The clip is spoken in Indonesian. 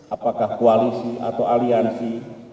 apakah koalisi atau aliansi